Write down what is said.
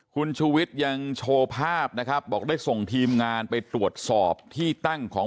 คุณชูวิทย์ยังโชว์ภาพนะครับบอกได้ส่งทีมงานไปตรวจสอบที่ตั้งของ